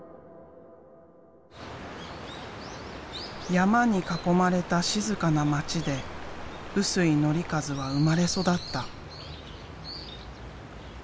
山に囲まれた静かな町で臼井紀和は生まれ育った。